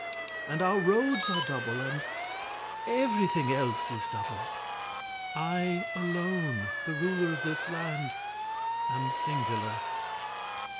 And our roads are double, and and everything else is double. I alone, the ruler of this land, am singular!"